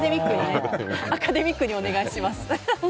アカデミックにお願いします。